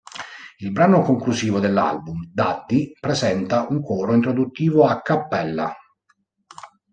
Il brano conclusivo dell'album, "Daddy", presenta un coro introduttivo a cappella.